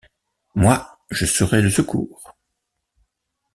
Moi, je serai le secours.